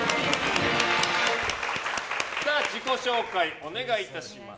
自己紹介をお願いいたします。